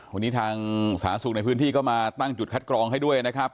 วันนี้ทางสาธารณสุขในพื้นที่ก็มาตั้งจุดคัดกรองให้ด้วยนะครับ